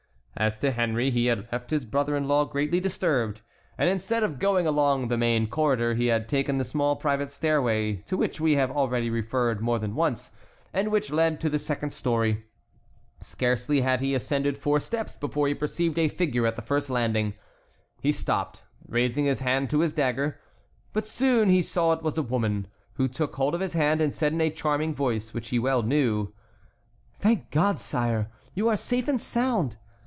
As to Henry he had left his brother in law greatly disturbed, and instead of going along the main corridor he had taken the small private stairway, to which we have already referred more than once, and which led to the second story. Scarcely had he ascended four steps before he perceived a figure at the first landing. He stopped, raising his hand to his dagger. But he soon saw it was a woman, who took hold of his hand and said in a charming voice which he well knew: "Thank God, sire, you are safe and sound.